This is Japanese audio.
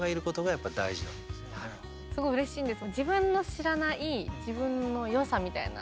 すごいうれしいんです。